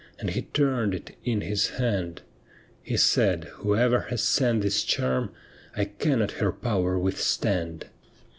And he turned it in his hand ; He said, ' Whoever has sent this charm, I cannot her power withstand.'